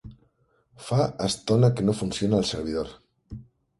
Fa estona que no funciona el servidor.